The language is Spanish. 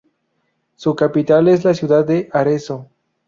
Su capital es la ciudad de Arezzo.